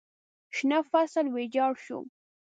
شنه فصل ویجاړ شو.